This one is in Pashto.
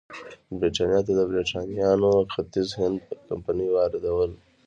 برېټانیا ته د برېټانیا ختیځ هند کمپنۍ واردول.